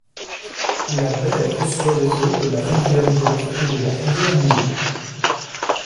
La baie reçoit les eaux de la rivière Dock et de la rivière Mill.